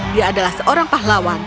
dia adalah seorang pahlawan